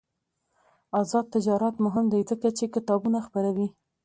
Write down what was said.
آزاد تجارت مهم دی ځکه چې کتابونه خپروي.